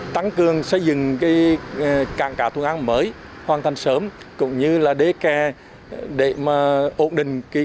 tăng cường xây dựng cái cản cả thuận án mới hoàn thành sớm cũng như là đế kè để mà ổn định cái